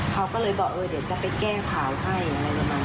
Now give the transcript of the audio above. เขาก็เลยบอกเดี๋ยวจะไปแก้เผาให้